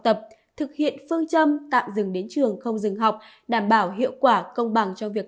tập thực hiện phương châm tạm dừng đến trường không dừng học đảm bảo hiệu quả công bằng cho việc